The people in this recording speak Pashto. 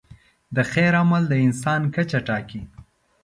د خیر عمل د انسان کچه ټاکي.